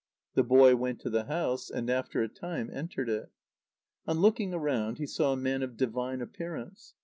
The boy went to the house, and after a time entered it. On looking around, he saw a man of divine appearance.